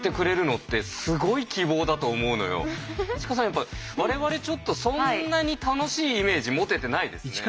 やっぱ我々ちょっとそんなに楽しいイメージ持ててないですね。